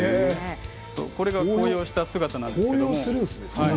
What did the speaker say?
これが紅葉した姿なんですけどね。